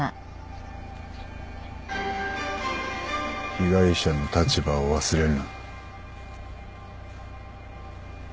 被害者の立場を忘れるな。